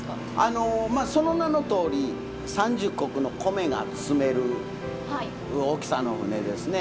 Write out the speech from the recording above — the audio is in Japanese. まあその名のとおり三十石の米が積める大きさの船ですね。